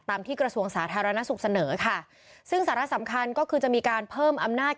ที่กระทรวงสาธารณสุขเสนอค่ะซึ่งสาระสำคัญก็คือจะมีการเพิ่มอำนาจ